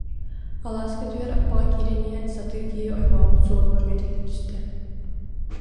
Алааска түһэр аппаҕа киирэн иһэн сатыы киһи оймообут суолугар кэтиллэ түстэ